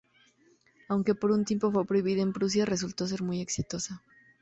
Aunque por un tiempo fue prohibida en Prusia, resultó ser muy exitosa.